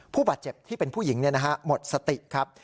ผู้บาดเจ็บที่เป็นผู้หญิงเนี่ยนะฮะหมดสติครับ